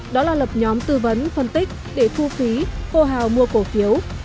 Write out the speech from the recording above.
đó là lập nhóm tư vấn phân tích để phu phí phô hào mua cổ phiếu